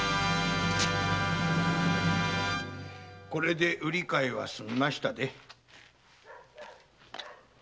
これで売り買いは済みましたで。